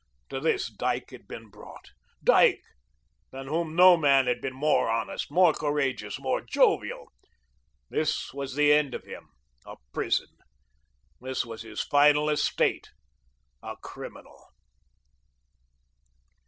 To this, Dyke had been brought, Dyke, than whom no man had been more honest, more courageous, more jovial. This was the end of him, a prison; this was his final estate, a criminal.